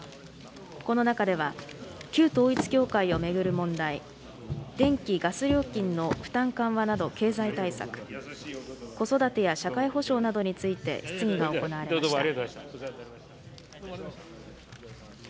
この中では、旧統一教会を巡る問題、電気・ガス料金の負担緩和など経済対策、子育てや社会保障などについて質疑が行われました。